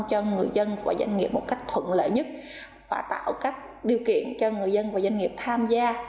cho người dân và doanh nghiệp một cách thuận lợi nhất và tạo các điều kiện cho người dân và doanh nghiệp tham gia